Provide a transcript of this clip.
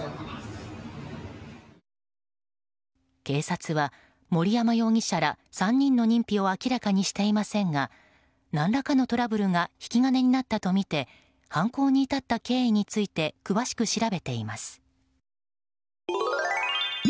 警察は、森山容疑者ら３人の認否を明らかにしていませんが何らかのトラブルが引き金になったとみて犯行に至った経緯について詳しく調べています。